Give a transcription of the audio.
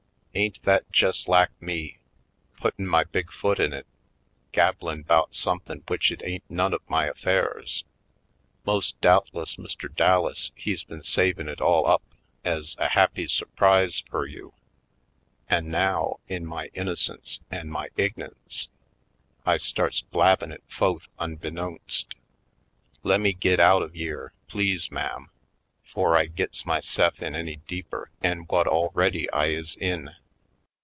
"Ain't that jes' lak me, puttin' my big foot in it, gab blin' 'bout somethin' w'ich it ain't none of my affairs? Most doubtless, Mr. Dallas, he's been savin' it ail up ez a happy sur prise fur you. An' now, in my innocence an' my ign'ence, I starts blabbin' it fo'th unbeknowst. Lemme git out of yere, please ma'am, 'fore I gits myse'f in any deeper 'en whut already I is in!"